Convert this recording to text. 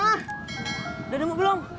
udah denguk belum